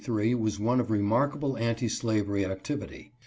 THE year 1843 was one of remarkable anti slavery ac tivity.